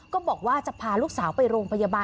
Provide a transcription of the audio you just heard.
ก็บอกว่าจะพาลูกสาวไปโรงพยาบาล